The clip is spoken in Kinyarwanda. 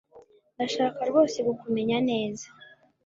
Ndashaka rwose kukumenya neza